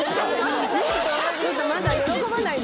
「ちょっとまだ喜ばないで」